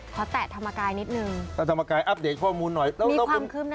ขอแตะธรรมกายนิดหนึ่งถ้าธรรมกายอัปเดตข้อมูลหน่อยมีความคืบหน้า